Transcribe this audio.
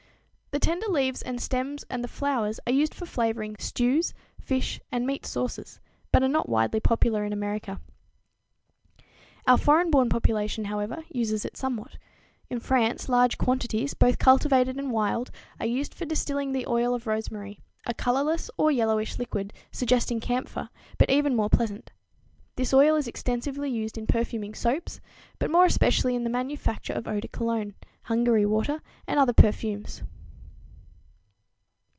_ The tender leaves and stems and the flowers are used for flavoring stews, fish and meat sauces, but are not widely popular in America. Our foreign born population, however, uses it somewhat. In France large quantities, both cultivated and wild, are used for distilling the oil of rosemary, a colorless or yellowish liquid suggesting camphor, but even more pleasant. This oil is extensively used in perfuming soaps, but more especially in the manufacture of eau de cologne, Hungary water and other perfumes.